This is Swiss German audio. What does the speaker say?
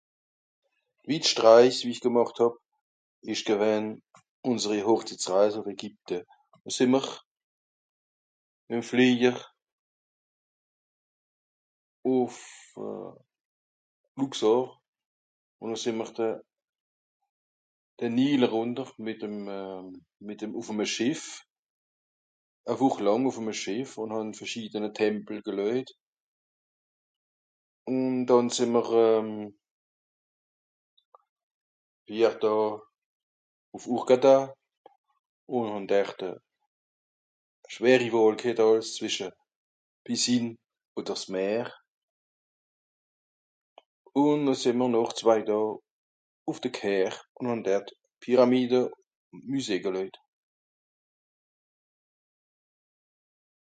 D'wittscht Reis, wie ìch gemàcht hàb ìsch gewänn ùnseri Hochzittsreise ìn Egypte. Noh sìì m'r ìm Fléjer ùf Luxor ùn sìì m'r de... de Nil rùnter mìt'm, mìt'm, ùf eme Schìff. E Wùch làng ùf eme Schìff ùn hàn d'verschiedene Tempel gelüejt. Dànn sìì m'r euh... vier Dàà ùf Hurghada, ùn hàn dert e schweri Wàhl ghet àls zwìsche Piscine odder s'Meer. Ùn noh sìì m'r noch zwei Dàà ùf de Caire ùn hàn dert Pyramide ùn Musée geluejt.